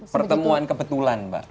pertemuan kebetulan mbak